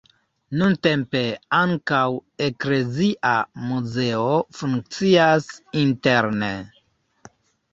Nuntempe ankaŭ eklezia muzeo funkcias interne.